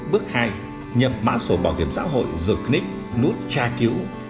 bước hai nhập mã sổ bảo hiểm xã hội dược ních nút tra cứu